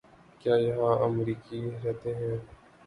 کیا یہاں امریکی رہتے ہیں؟